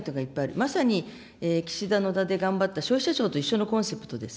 まさに、岸田、野田で頑張った、消費者庁と一緒のコンセプトです。